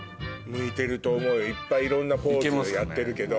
と思うよいっぱいいろんなポーズをやってるけど。